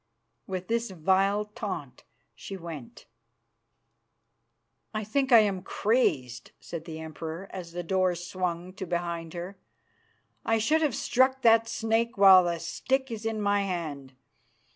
With this vile taunt she went. "I think I'm crazed," said the Emperor, as the doors swung to behind her. "I should have struck that snake while the stick is in my hand.